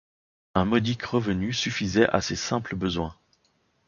Un modique revenu suffisait à ses simples besoins.